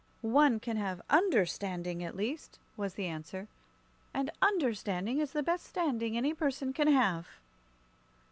"One can have _under_standing, at least," was the answer; "and understanding is the best standing any person can have."